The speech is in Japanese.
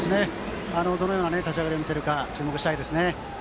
どのような立ち上がりを見せるか、注目したいですね。